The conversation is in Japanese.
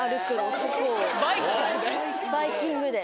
バイキングで？